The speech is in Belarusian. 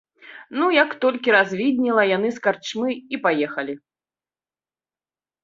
Ну, як толькі развіднела, яны з карчмы і паехалі.